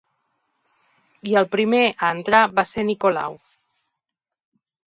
I el primer a entrar va ser Nicolau.